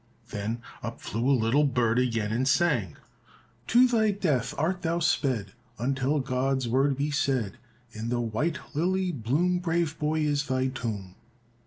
Then up flew a little bird again and sang, "To thy death art thou sped, Until God's word be said. In the white lily bloom, Brave boy, is thy tomb."